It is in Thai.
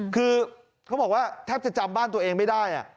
คือเขาบอกว่าแทบจะจำบ้านตัวเองไม่ได้